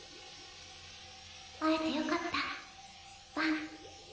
会えてよかったバン。